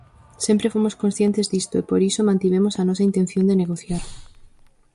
Sempre fomos conscientes disto e por iso mantivemos a nosa intención de negociar.